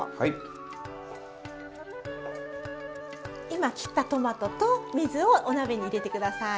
今切ったトマトと水をお鍋に入れて下さい。